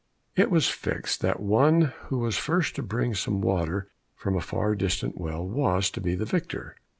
It was fixed that the one who was first to bring some water from a far distant well was to be the victor.